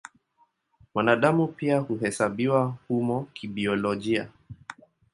Mwanadamu pia huhesabiwa humo kibiolojia.